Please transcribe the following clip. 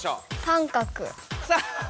三角。